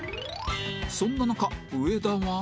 そんな中上田は